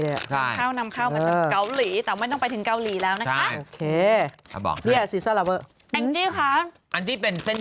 สาหร่ายยำเหรอนี่สีน้ำตาสีทอง